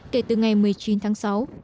kể từ ngày một mươi chín tháng sáu